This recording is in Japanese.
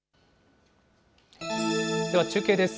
では、中継です。